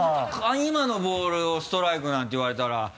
今のボールをストライクなんて言われたら。